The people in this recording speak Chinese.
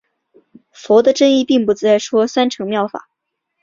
佛的真意并不再说三乘妙法。